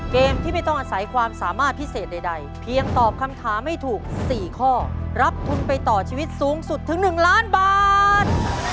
เกมที่ไม่ต้องอาศัยความสามารถพิเศษใดเพียงตอบคำถามให้ถูก๔ข้อรับทุนไปต่อชีวิตสูงสุดถึง๑ล้านบาท